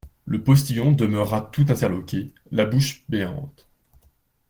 Le postillon demeura tout interloqué, la bouche béante.